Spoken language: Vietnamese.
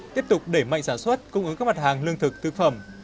tiếp tục để mạnh sản xuất cung ứng các mặt hàng lương thực thức phẩm